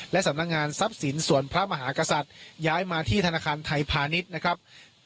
และสำนักงานทรัพย์สินส่วนพระมหากษัตริย์ย้ายมาที่ธนาคารไทยพาณิชย์นะครับ